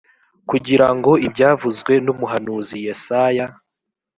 kugira ngo ibyavuzwe n umuhanuzi yesaya